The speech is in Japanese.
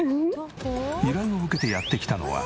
依頼を受けてやって来たのは